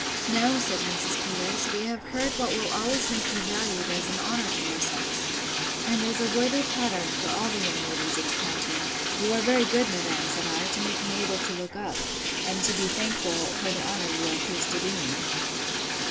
No, said Mrs. Peters, we have heard what will always make you valued as an honour to our sex, and as a worthy pattern for all the young ladies in the county. You are very good, madam, said I, to make me able to look up, and to be thankful for the honour you are pleased to do me.